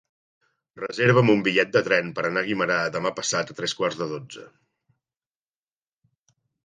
Reserva'm un bitllet de tren per anar a Guimerà demà passat a tres quarts de dotze.